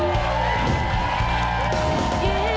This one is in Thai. เกมรับจำนำ